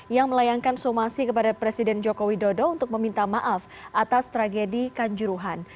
yang melayangkan somasi kepada presiden joko widodo untuk meminta maaf atas tragedi kanjuruhan